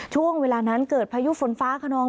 ช่วงเวลานั้นเกิดพายุฝนฟ้าขนอง